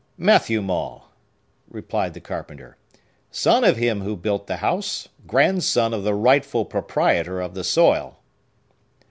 "Matthew Maule," replied the carpenter,—"son of him who built the house,—grandson of the rightful proprietor of the soil."